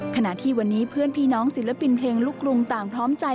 ขณะที่วันนี้เพื่อนพี่น้องศิลปินเพลงลูกกรุงต่างพร้อมใจ